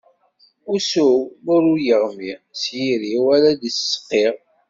Ussu-w ma ur yeɣmi, s yiri-iw ara ad t-seqqiɣ.